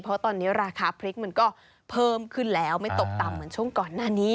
เพราะตอนนี้ราคาพริกมันก็เพิ่มขึ้นแล้วไม่ตกต่ำเหมือนช่วงก่อนหน้านี้